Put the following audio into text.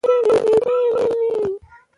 هوا د افغان نجونو د پرمختګ لپاره فرصتونه برابروي.